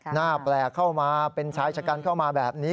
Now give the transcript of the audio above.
หน้าแปลกเข้ามาเป็นชายชะกันเข้ามาแบบนี้